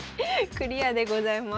クリアでございます。